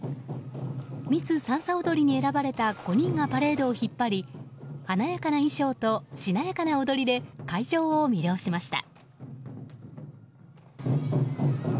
ミスさんさ踊りに選ばれた５人がパレードを引っ張り華やかな衣装としなやかな踊りで会場を魅了しました。